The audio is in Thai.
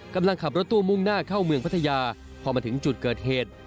กำลังขับรถตู้มุ่งหน้าเข้าเมืองพัทยาพอมาถึงจุดเกิดเหตุ